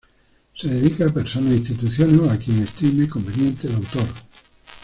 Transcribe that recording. Se dedica a personas, instituciones o a quien estime conveniente el autor.